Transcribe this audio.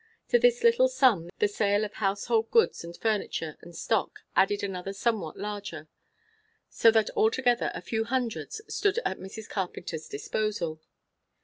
To this little sum the sale of household goods and furniture and stock, added another somewhat larger; so that altogether a few hundreds stood at Mrs. Carpenter's disposal.